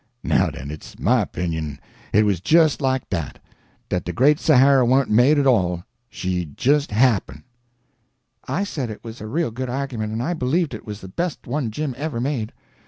Now, den, it's my opinion hit was jes like dat—dat de Great Sahara warn't made at all, she jes happen'." I said it was a real good argument, and I believed it was the best one Jim ever made.